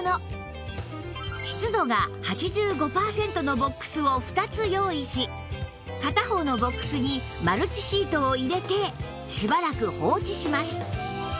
湿度が８５パーセントのボックスを２つ用意し片方のボックスにマルチシートを入れてしばらく放置します